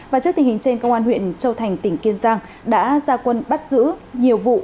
và trước tình hình trên công an huyện châu thành tỉnh kiên giang đã ra quân bắt giữ nhiều vụ